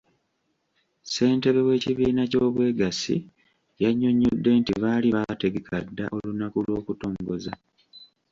Ssentebe w'ekibiina ky'obwegassi yannyonnyodde nti baali baategeka dda olunaku lw'okutongoza.